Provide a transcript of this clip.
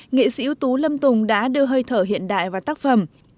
nghệ sĩ ưu tú lâm tùng đã đưa hơi thở hiện đại vào tác phẩm